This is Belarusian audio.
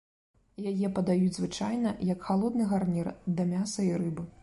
Яе падаюць, звычайна, як халодны гарнір да мяса і рыбы.